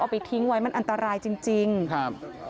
ไปทิ้งไว้มันอันตรายจริงจริงครับ